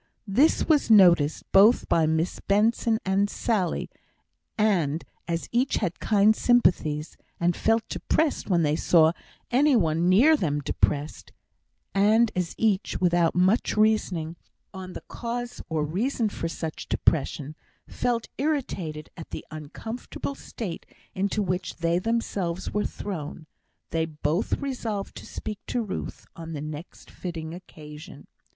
This was noticed both by Miss Benson and Sally, and as each had keen sympathies, and felt depressed when they saw any one near them depressed, and as each, without much reasoning on the cause or reason for such depression, felt irritated at the uncomfortable state into which they themselves were thrown, they both resolved to speak to Ruth on the next fitting occasion.